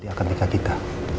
dia akan tinggal kita